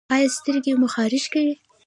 ایا سترګې مو خارښ کوي؟